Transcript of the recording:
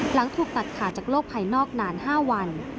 หลังถูกตัดขาดจากโลกภายนอกนาน๕วัน